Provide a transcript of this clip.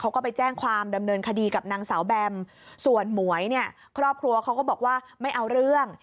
เขาก็ไปแจ้งความดำเนินคดีกับนางสาวแบมส่วนหมวยเนี่ยครอบครัวเขาก็บอกว่าไม่เอาเรื่อง